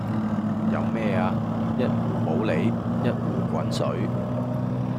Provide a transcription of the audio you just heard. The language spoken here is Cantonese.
飲咩呀？一壺普洱，一壺滾水